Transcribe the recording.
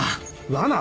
罠？